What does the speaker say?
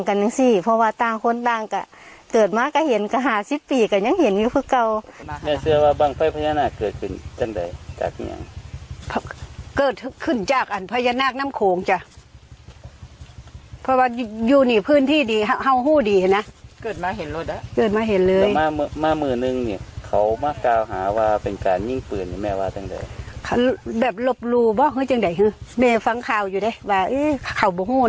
เชื่อว่ามีอาวุธมาก